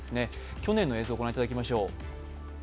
去年の映像を御覧いただきましょう。